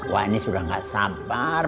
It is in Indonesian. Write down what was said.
wah ini sudah tidak sabar